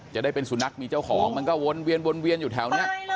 จะได้เป็นสุนัขมีเจ้าของมันก็วนเวียนวนเวียนอยู่แถวนี้